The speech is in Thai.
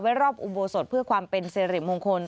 รอบอุโบสถเพื่อความเป็นสิริมงคล